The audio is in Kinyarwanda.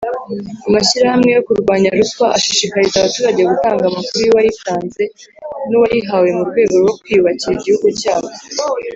Amashyirahamwe yo kurwanya ruswa ashishikariza abaturage gutanga amakuru yuwayitanze n’uwayihawe murwego rwo kwiyubakira igihugu cyabo.